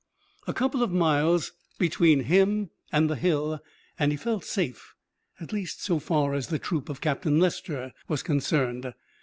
A couple of miles between him and the hill and he felt safe, at least so far as the troop of Captain Lester was concerned.